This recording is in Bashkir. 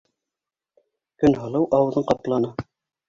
- Көнһылыу ауыҙын ҡапланы.